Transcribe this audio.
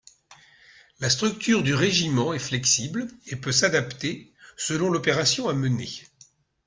La structure du régiment est flexible et peut s'adapter selon l'opération à mener.